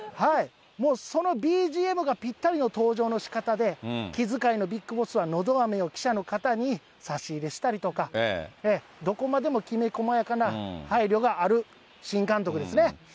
もうそのＢＧＭがぴったりの登場のしかたで、気遣いのビッグボスはのどあめを記者の方に差し入れしたりとか、どこまでもきめこまやかな配慮がある新監督ですね。